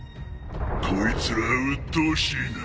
こいつらうっとうしいな。